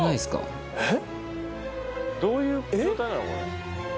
どういう状態なの？